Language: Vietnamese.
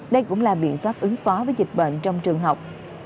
đây cũng là biện pháp ứng phó với dịch bệnh trong trường học